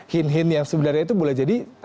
hint hint yang sebenarnya itu boleh jadi